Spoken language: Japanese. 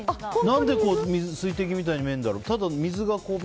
何で水滴みたいに見えるんだろう。